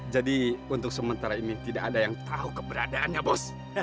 jadi untuk sementara ini tidak ada yang tahu keberadaannya bos